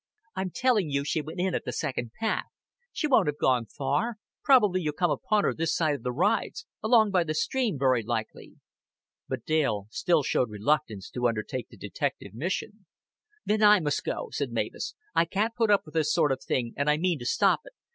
"I'm telling you she went in at the second path. She won't have gone far. Probably you'll come upon her this side of the rides along by the stream, very likely." But Dale still showed reluctance to undertake the detective mission. "Then I must go," said Mavis. "I can't put up with this sort of thing, and I mean to stop it.